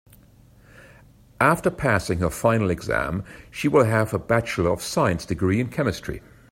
After passing her final exam she will have a bachelor of science degree in chemistry.